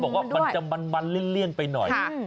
บางคนบอกว่ามันจะมันมันเลี่ยนไปหน่อยค่ะ